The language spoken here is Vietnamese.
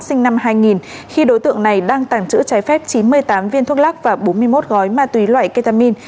sinh năm hai nghìn khi đối tượng này đang tàng trữ trái phép chín mươi tám viên thuốc lắc và bốn mươi một gói ma túy loại ketamin